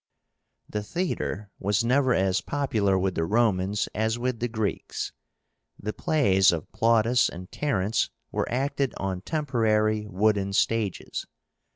The THEATRE was never as popular with the Romans as with the Greeks. The plays of Plautus and Terence were acted on temporary wooden stages.